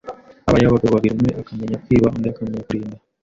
Habayeho abagabo babiri, umwe akamenya kwiba undi akamenya kurinda.